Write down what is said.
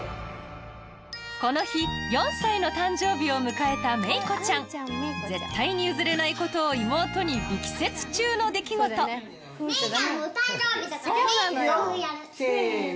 この日４歳の誕生日を迎えためいこちゃん絶対に譲れないことを妹に力説中の出来事・せの・